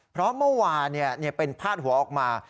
เพราะเมื่อวานเป็นพาดหัวออกมา